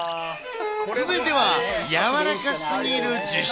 続いては柔らかすぎる自称